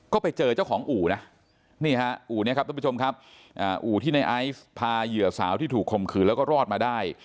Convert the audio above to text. ก็ไปเจอเจ้าของอู่นะนี่ฮะอู่นี้ครับท่านผู้ชมครับอู่ที่ในไอซ์พาเหยื่อสาวที่ถูกคมขืนแล้วก็รอดมาได้